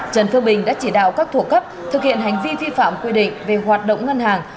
trần phương bình đã chỉ đạo các thủ cấp thực hiện hành vi vi phạm quy định về hoạt động ngân hàng